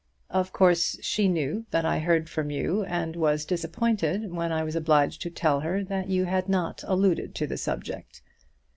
Of course she knew that I heard from you, and was disappointed when I was obliged to tell her that you had not alluded to the subject.